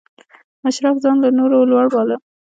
اشراف ځان له نورو لوړ باله.